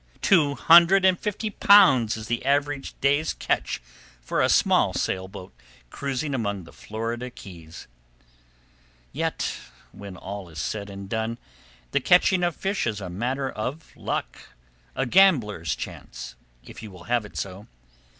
Two hundred and fifty pounds is the average day's catch for a small sailboat cruising among the Florida Keys. Yet, when all is said and done, the catching of fish is a matter of luck a gambler's chance, [Page 5] if you will have it so.